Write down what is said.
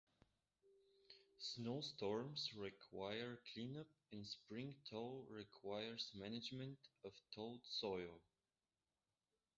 Snowstorms require cleanup and spring thaw requires management of thawed soil.